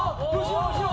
後ろ！